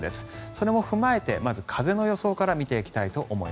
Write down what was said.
それも踏まえて風の予想から見ていきます。